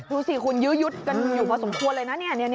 ดูสิคุณยื้อยุดกันอยู่พอสมควรเลยนะ